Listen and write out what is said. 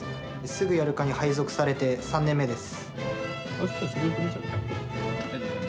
すぐやる課に配属されて３年目です。